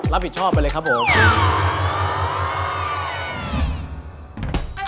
รับผิดชอบไปเลยครับผม